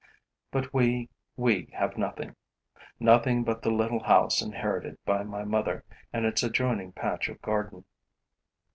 But we, we have nothing, nothing but the little house inherited by my mother and its adjoining patch of garden.